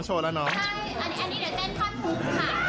สวัสดีครับมาเจอกับแฟแล้วนะครับ